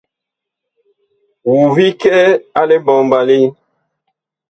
Wu vi kɛ a liɓombali ?